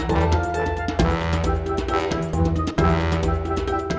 pakai yang berat